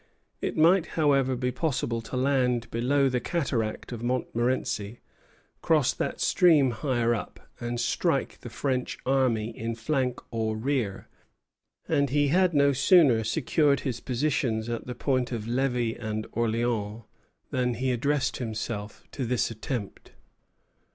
It might, however, be possible to land below the cataract of Montmorenci, cross that stream higher up, and strike the French army in flank or rear; and he had no sooner secured his positions at the points of Levi and Orleans, than he addressed himself to this attempt.